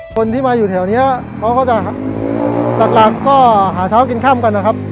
คนที่มาอยู่แถวนี้เขาจะหาเช้ากินข้ำก่อนนะครับ